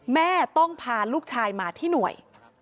แม่ต้องพาลูกชายมาที่หน่วย